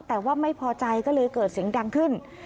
แต่ว่าไม่พอใจก็เลยเกิดเสียงดังขึ้น